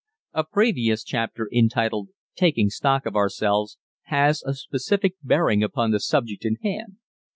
A previous chapter entitled, "Taking Stock of Ourselves," has a specific bearing upon the subject in hand.